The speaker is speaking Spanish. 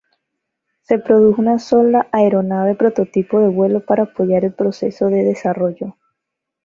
Se produjo una sola aeronave prototipo de vuelo para apoyar el proceso de desarrollo.